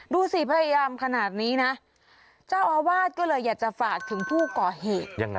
ดูสิพยายามขนาดนี้นะเจ้าอาวาสก็เลยอยากจะฝากถึงผู้ก่อเหตุ